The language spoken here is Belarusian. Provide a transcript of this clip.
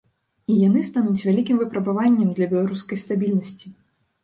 І яны стануць вялікім выпрабаваннем для беларускай стабільнасці.